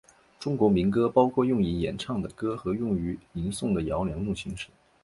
中国民歌包括用以演唱的歌和用于吟诵的谣两种形式。